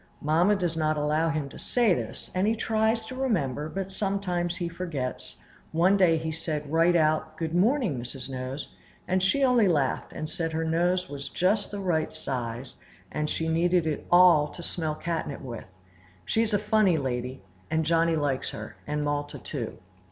Mamma does not allow him to say this, and he tries to remember, but sometimes he forgets; one day he said right out, "Good morning, Mrs. Nose!" and she only laughed, and said her nose was just the right size, and she needed it all to smell catnip with. She is a funny lady, and Johnny likes her, and Malta too.